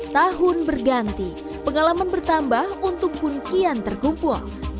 tahun berganti pengalaman bertambah untung pun kian terkumpul